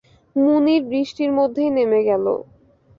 মুনির বৃষ্টির মধ্যেই নেমে গেল।